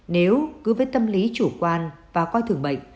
nếu cứ với tâm lý chủ quan và coi thường bệnh